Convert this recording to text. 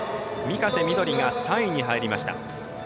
御家瀬緑が３位に入りました。